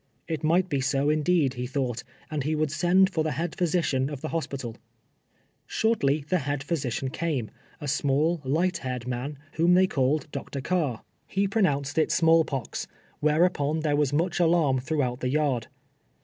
It might be so indeed, he thought, and he would send for the head })hysician of the hos pital. Shortly, the head physician came — a small, light haired man, whom they called Dr. Carr. lie BMALL I'OX. 83 pronounced it small pox, wliercnpon there was much alarm throughout the yard.